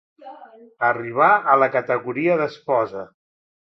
Arribà a la categoria d'esposa.